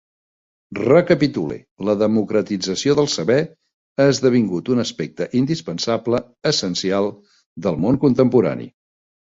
Recapitule: la democratització del saber ha esdevingut un aspecte indispensable, essencial, del món contemporani.